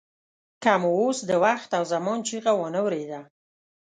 که مو اوس د وخت او زمان چیغه وانه ورېده.